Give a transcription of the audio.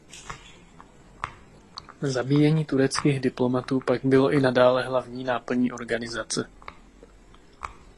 Zabíjení tureckých diplomatů pak bylo i dále hlavní náplní organizace.